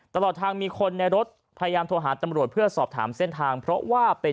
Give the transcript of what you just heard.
ตลอดทางมีคนในรถพยายามโทรหาตำรวจเพื่อสอบถามเส้นทางเพราะว่าเป็น